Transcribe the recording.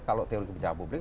kalau teori kebijakan publik